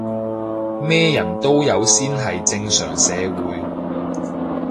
咩人都有先係正常社會